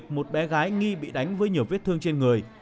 một bé gái nghi bị đánh với nhiều vết thương trên người